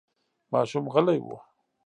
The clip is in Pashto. ماشوم غلی و.